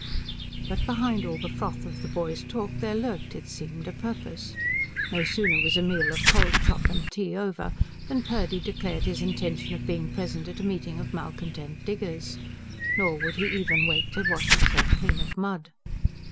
But behind all the froth of the boy's talk there lurked, it seemed, a purpose. No sooner was a meal of cold chop and tea over than Purdy declared his intention of being present at a meeting of malcontent diggers. Nor would he even wait to wash himself clean of mud.